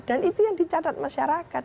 dan itu yang dicatat masyarakat